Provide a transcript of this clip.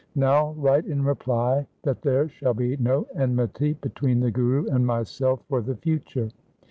Now write in reply that there shall be no enmity between the Guru and myself for the future.'